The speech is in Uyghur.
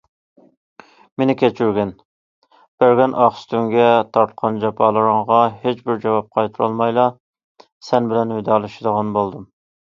مېنى كەچۈرگىن، بەرگەن ئاق سۈتۈڭگە، تارتقان جاپالىرىڭغا ھېچبىر جاۋاب قايتۇرالمايلا، سەن بىلەن ۋىدالىشىدىغان بولدۇم.